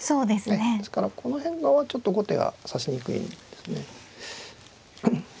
ですからこの変化はちょっと後手が指しにくいんですね。